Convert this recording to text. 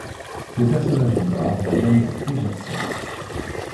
Les personnages en gras reviennent dans plusieurs scènes.